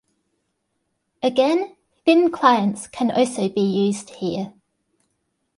Again, thin clients can also be used here.